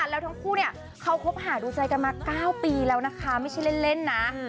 แล้วทั้งคู่เนี่ยเขาคบหาดูใจกันมา๙ปีแล้วนะคะไม่ใช่เล่นนะ